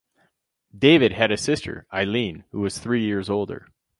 David had a sister, Eileen, who was three years older.